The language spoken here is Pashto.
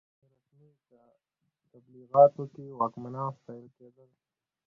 په رسمي تبلیغاتو کې واکمنان ستایل کېدل.